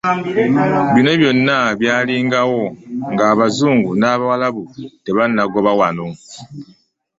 Bino byonna byalingawo ng'abazungu n'abawalabu tebannagoba wano.